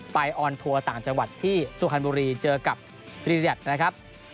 ออนทัวร์ต่างจังหวัดที่สุพรรณบุรีเจอกับตรีเรียตนะครับ